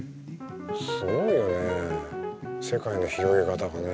すごいよね世界の広げ方がね。